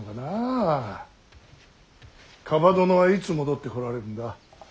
蒲殿はいつ戻ってこられるんだ。